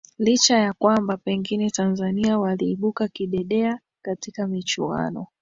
licha ya kwamba pengine tanzania waliibuka kidedea katika michuano